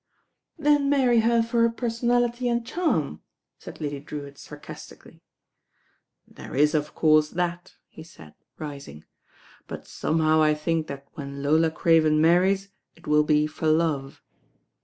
"Then marry her for her personality and charm,'* said Lady Drewitt sarcastically. "There is of course that," he said rising; "but 188 THE RAIN OIRL somehow I think that when Lola Craven marries, it will be for love."